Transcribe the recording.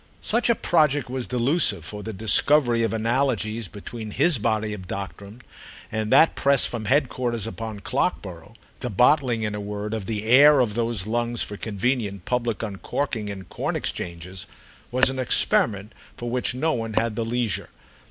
Such a project was delusive, for the discovery of analogies between his body of doctrine and that pressed from headquarters upon Clockborough—the bottling, in a word, of the air of those lungs for convenient public uncorking in corn exchanges—was an experiment for which no one had the leisure.